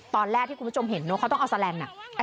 ตอนแรกที่คุณผู้ชมเห็นเนอะเขาต้องเอาแลนด